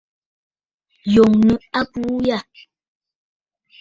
Yòŋə abuu yâ.